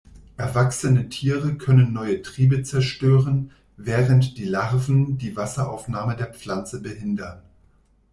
Erwachsene Tiere können neue Triebe zerstören, während die Larven die Wasseraufnahme der Pflanze behindern.